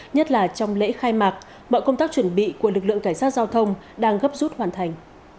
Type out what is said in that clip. nhất là trong lễ khai mạc mọi công tác chuẩn bị của lực lượng cảnh sát giao thông đang gấp rút hoàn thành